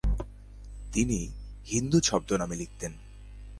তিনি "হিন্দু" ছদ্মনামে লিখতেন।